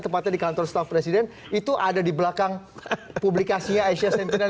tepatnya di kantor staff presiden itu ada di belakang publikasinya asia sentinel